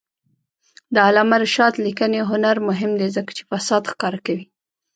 د علامه رشاد لیکنی هنر مهم دی ځکه چې فساد ښکاره کوي.